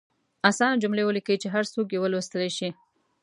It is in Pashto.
اسانه جملې ولیکئ چې هر څوک یې ولوستلئ شي.